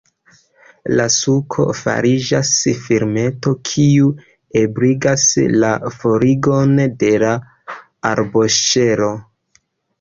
La suko fariĝas filmeto, kiu ebligas la forigon de la arboŝelo.